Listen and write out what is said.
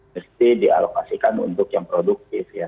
mesti dialokasikan untuk yang produktif ya